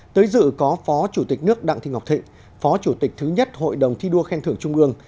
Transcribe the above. tới dự có phó chủ tịch nước đặng thị ngọc thịnh phó chủ tịch thứ nhất hội đồng thi đua khen thưởng trung ương